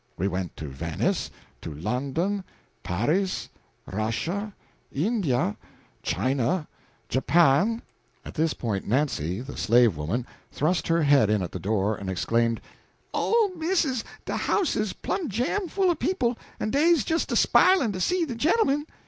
We went to Venice to London, Paris, Russia, India, China, Japan " At this point Nancy the slave woman thrust her head in at the door and exclaimed: "Ole Missus, de house is plum' jam full o' people, en dey's jes a spi'lin' to see de gen'lmen!"